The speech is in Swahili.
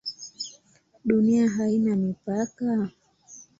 Dunia haina mipaka?